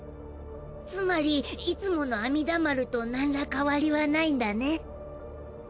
つまりいつもの阿弥陀丸と何ら変わりはないんだね？